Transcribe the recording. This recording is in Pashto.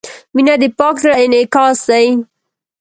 • مینه د پاک زړۀ انعکاس دی.